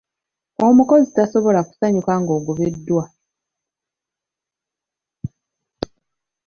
Omukozi tasobola kusanyuka ng'agobeddwa.